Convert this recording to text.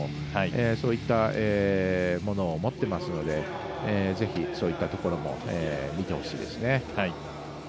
そういったものを持っていますのでぜひ、そういったところも見てほしいですね。